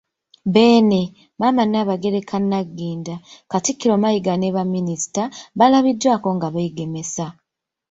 Beene, Maama Nnaabagereka Nagginda, Katikkiro Mayiga ne baminisita, baalabiddwako nga beegemesa